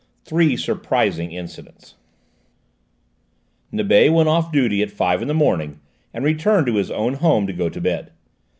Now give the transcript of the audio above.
THREE SURPRISING INCIDENTS Nibet went off duty at five in the morning, and returned to his own home to go to bed.